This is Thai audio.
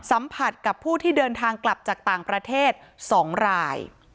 สัมผัสกับผู้ที่เดินทางกลับจากต่างประเทศ๒ราย